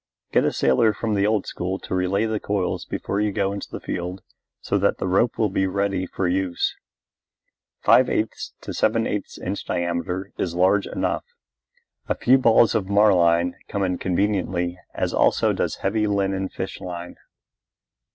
Get a sailor of the old school to relay the coils before you go into the field so that the rope will be ready for use. Five eighths to seven eighths inch diameter is large enough. A few balls of marline come in conveniently as also does heavy linen fish line.